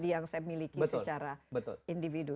yang saya miliki secara individu